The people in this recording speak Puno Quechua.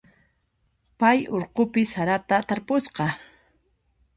Pay urqupi sarata tarpusqa.